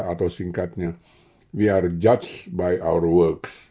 atau singkatnya we are judged by our works